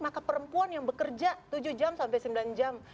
maka perempuan yang bekerja tujuh jam sampai sembilan jam